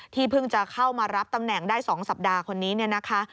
เพิ่งจะเข้ามารับตำแหน่งได้๒สัปดาห์คนนี้เนี่ยนะคะ